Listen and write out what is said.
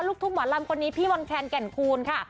ลูกทุ่มหวานลำคนนี้พี่วันแคนแก่นคูณค่ะ